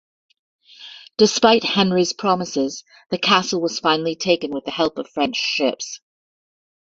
Despite Henry's promises, the castle was finally taken with the help of French ships.